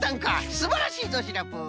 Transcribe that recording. すばらしいぞシナプー！